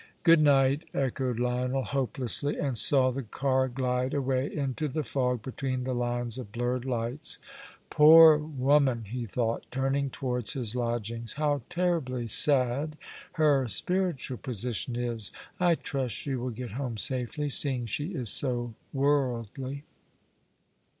"Goodnight," echoed Lionel, hopelessly, and saw the car glide away into the fog between the lines of blurred lights. "Poor woman!" he thought, turning towards his lodgings. "How terribly sad her spiritual position is! I trust she will get home safely, seeing she is so worldly."